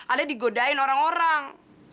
alda digodain orang orang